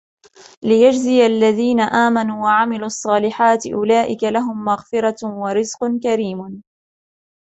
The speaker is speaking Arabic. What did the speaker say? لِيَجْزِيَ الَّذِينَ آمَنُوا وَعَمِلُوا الصَّالِحَاتِ أُولَئِكَ لَهُمْ مَغْفِرَةٌ وَرِزْقٌ كَرِيمٌ